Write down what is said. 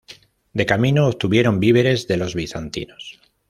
De camino, obtuvieron víveres de los bizantinos.